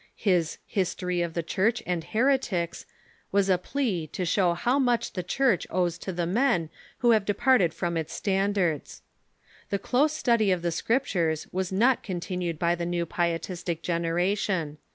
His "History of the Church and Heretics" was a plea to show how much the Church owes to the men who have departed from its stand ards. The close study of the Scriptures was not continued by the new Pietistic generation.